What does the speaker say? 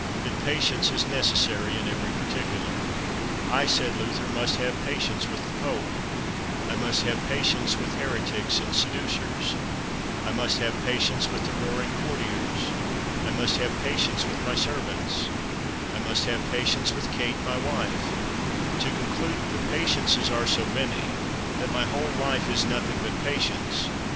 That Patience is necessary in every Particular. I, said Luther, must have patience with the Pope; I must have patience with heretics and seducers; I must have patience with the roaring courtiers; I must have patience with my servants: I must have patience with Kate my wife; to conclude, the patiences are so many, that my whole life is nothing but patience.